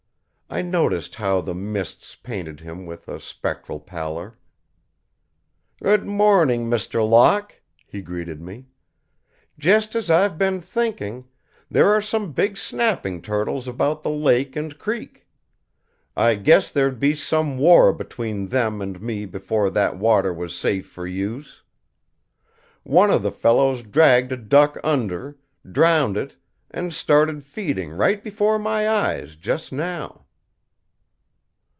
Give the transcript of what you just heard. I noticed how the mists painted him with a spectral pallor. "Good morning, Mr. Locke," he greeted me. "Just as I've been thinking, there are some big snapping turtles about the lake and creek. I guessed there'd be some war between them and me before that water was safe for use! One of the fellows dragged a duck under, drowned it and started feeding right before my eyes, just now."